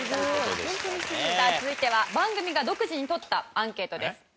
さあ続いては番組が独自に取ったアンケートです。